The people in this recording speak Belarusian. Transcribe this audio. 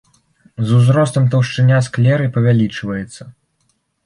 З узростам таўшчыня склеры павялічваецца.